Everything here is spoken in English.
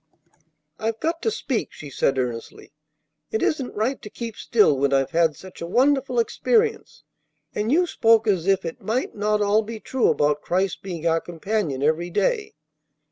"I've got to speak," she said earnestly. "It isn't right to keep still when I've had such a wonderful experience, and you spoke as if it might not all be true about Christ's being our companion every day."